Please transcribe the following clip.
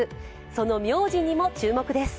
その名字にも注目です。